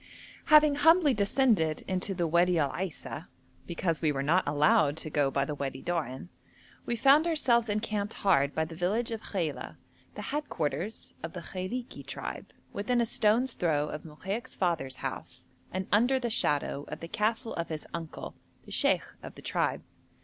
Having humbly descended into the Wadi Al Aisa, because we were not allowed to go by the Wadi Doan, we found ourselves encamped hard by the village of Khaila, the head quarters of the Khailiki tribe, within a stone's throw of Mokaik's father's house and under the shadow of the castle of his uncle, the sheikh of the tribe.